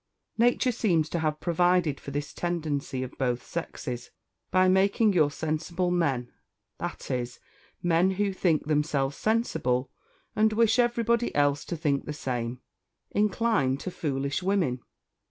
"Nature seems to have provided for this tendency of both sexes, by making your sensible men that is, men who think themselves sensible, and wish everybody else to think the same incline to foolish women.